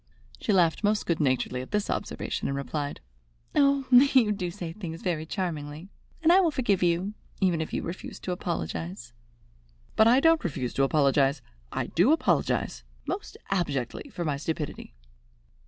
She laughed most good naturedly at this observation, and replied: "Oh, you do say things very charmingly, and I will forgive you, even if you refuse to apologize." "But I don't refuse to apologize. I do apologize most abjectly for my stupidity."